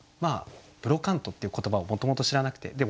「ブロカント」っていう言葉をもともと知らなくて。